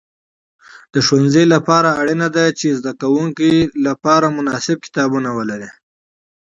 د ښوونځي لپاره اړینه ده چې د زده کوونکو لپاره مناسب کتابونه ولري.